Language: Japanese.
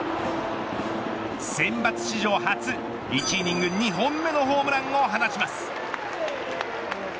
センバツ史上初１イニング２本目のホームランを放ちます。